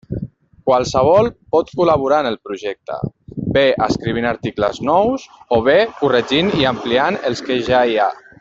Qualsevol pot col·laborar en el projecte, bé escrivint articles nous, o bé corregint i ampliant els que ja hi ha.